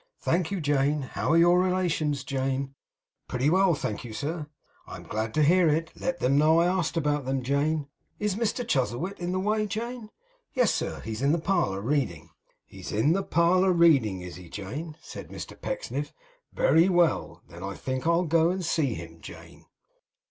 Thank you, Jane. How are your relations, Jane?' 'Pretty well, I thank you, sir.' 'I am glad to hear it. Let them know I asked about them, Jane. Is Mr Chuzzlewit in the way, Jane?' 'Yes, sir. He's in the parlour, reading.' 'He's in the parlour, reading, is he, Jane?' said Mr Pecksniff. 'Very well. Then I think I'll go and see him, Jane.